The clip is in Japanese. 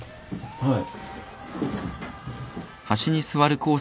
はい。